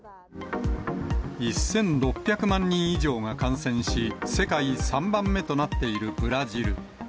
１６００万人以上が感染し、世界３番目となっているブラジル。